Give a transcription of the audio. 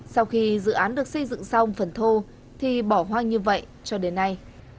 sau khi dự án được xây dựng xong phần thô thì bỏ hoang như vậy cho đến nay